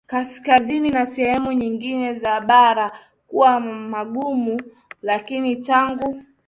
Kaskazini na sehemu nyingine za bara kuwa magumu Lakini tangu